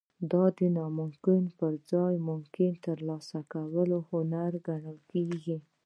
دا د ناممکن پرځای د ممکنه ترلاسه کولو هنر ګڼل کیږي